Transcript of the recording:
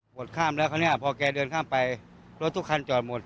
ข้ามแล้วคราวนี้พอแกเดินข้ามไปรถทุกคันจอดหมด